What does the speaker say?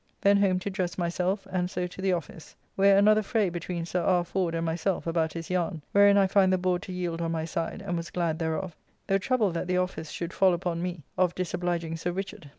Then home to dress myself, and so to the office, where another fray between Sir R. Ford and myself about his yarn, wherein I find the board to yield on my side, and was glad thereof, though troubled that the office should fall upon me of disobliging Sir Richard.